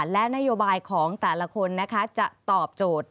และนโยบายของแต่ละคนนะคะจะตอบโจทย์